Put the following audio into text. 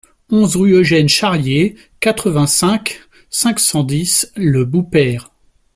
onze rue Eugène Charrier, quatre-vingt-cinq, cinq cent dix, Le Boupère